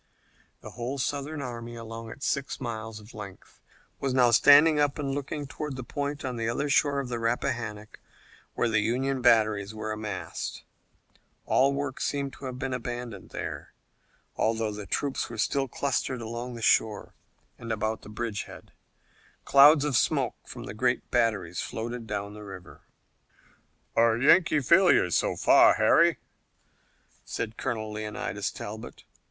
The whole Southern army, along its six miles of length, was now standing up and looking toward the point on the other shore of the Rappahannock where the Union batteries were massed. All work seemed to have been abandoned there, although the troops were still clustered along the shore and about the bridge head. Clouds of smoke from the great batteries floated down the river. "A Yankee failure so far, Harry," said Colonel Leonidas Talbot.